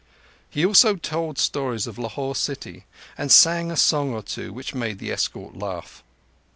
He also told stories of Lahore city, and sang a song or two which made the escort laugh.